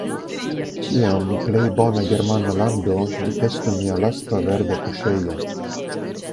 Tiam plej bona germana lando vi estu mia lasta verda kuŝejo.